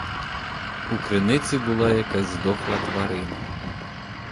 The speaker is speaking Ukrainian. У криниці була якась здохла тварина.